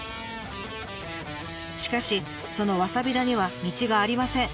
しかしそのわさび田には道がありません。